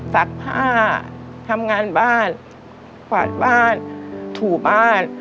ซักผ้าทำงานบ้านกวาดบ้านถูบ้าน